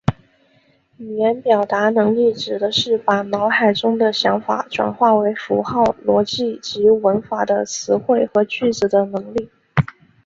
语言表达能力指的是把脑海中的想法转换为符合逻辑及文法的词汇和句子的能力。